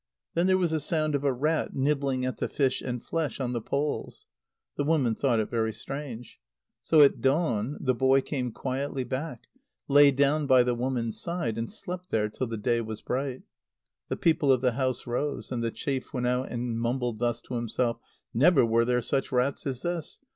Then there was the sound of a rat nibbling at the fish and flesh on the poles. The woman thought it very strange. So at dawn the boy came quietly back, lay down by the woman's side, and slept there till the day was bright. The people of the house rose, and the chief went out and mumbled thus to himself: "Never were there such rats as this.